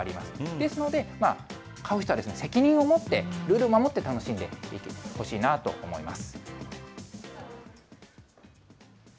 ですので、飼う人は責任を持って、ルールを守って楽しんでほしいなと思います。